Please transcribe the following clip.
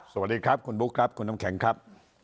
สวัสดีครับคุณบุ๊คครับคุณน้ำแข็งครับ